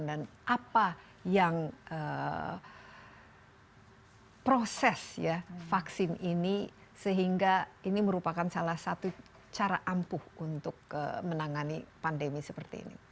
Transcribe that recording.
dan apa yang proses ya vaksin ini sehingga ini merupakan salah satu cara ampuh untuk menangani pandemi seperti ini